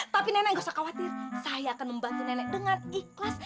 tapi nenek gak usah khawatir saya akan membantu nenek dengan ikhlas